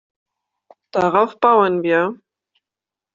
Darauf bauen wir.